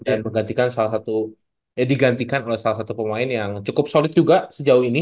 yang menggantikan salah satu digantikan oleh salah satu pemain yang cukup solid juga sejauh ini